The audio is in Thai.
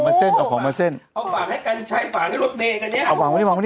คนพากมาเลยเอาผักเข้ามาเส้น